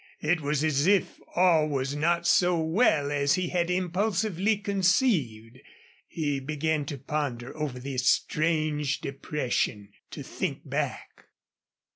It was as if all was not so well as he had impulsively conceived. He began to ponder over this strange depression, to think back.